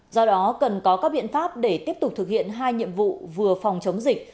do đó cần có các biện pháp để tiếp tục thực hiện hai nhiệm vụ vừa phòng chống dịch